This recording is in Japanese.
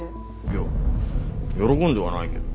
いや喜んではないけど。